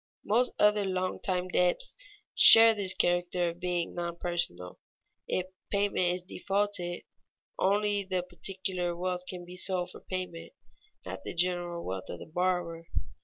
Most other long time debts share this character of being non personal; if payment is defaulted, only the particular wealth can be sold for payment, not the general wealth of the borrower.